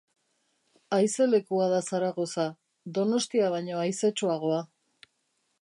Haize lekua da Zaragoza, Donostia baino haizetsuagoa